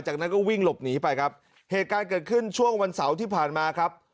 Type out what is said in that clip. จากนั้นก็วิ่งหลบหนีไปครับเหตุการณ์เกิดขึ้นช่วงวันเสาร์ที่ผ่านมาครับ